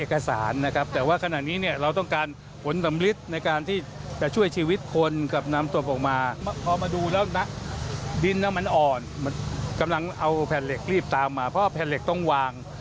กำลังเอาแพรนเหล็กรีบตามมาเพราะว่าแพรนเหล็กต้องวาง